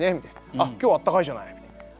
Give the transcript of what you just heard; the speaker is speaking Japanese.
「あっ今日は温かいじゃない」みたいな。